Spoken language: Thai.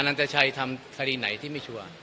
ันตชัยทำคดีไหนที่ไม่ชัวร์